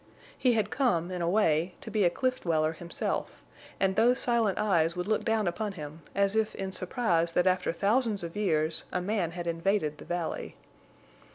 He had come, in a way, to be a cliff dweller himself, and those silent eyes would look down upon him, as if in surprise that after thousands of years a man had invaded the valley.